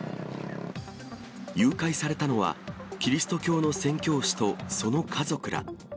誘拐されたのは、キリスト教の宣教師とその家族ら。